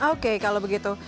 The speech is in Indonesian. oke kalau begitu